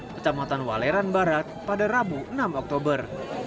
kecamatan waleran barat pada rabu enam oktober